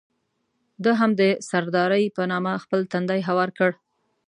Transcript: ده هم د سردارۍ په نامه خپل تندی هوار کړ.